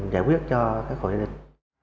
giải quyết cho các hội gia đình